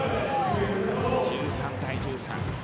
１３対１３。